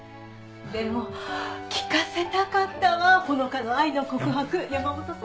でも聞かせたかったわ穂香の愛の告白山本さんにも。